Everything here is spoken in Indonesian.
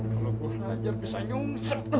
loh kalau gue enggak ajar bisa nyungsep